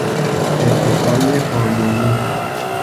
ادعای قانونی